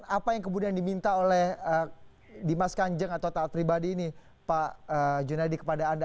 apa yang kemudian diminta oleh dimas kanjeng atau taat pribadi ini pak junadi kepada anda